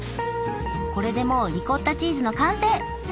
これでもうリコッタチーズの完成。